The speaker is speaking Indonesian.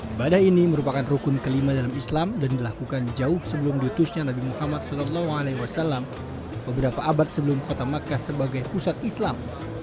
ibadah ini merupakan rukun kelima dalam islam dan dilakukan jauh sebelum diutusnya nabi muhammad saw beberapa abad sebelum kota makkah sebagai pusat islam